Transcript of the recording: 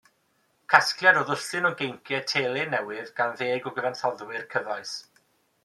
Casgliad o ddwsin o geinciau telyn newydd gan ddeg o gyfansoddwyr cyfoes.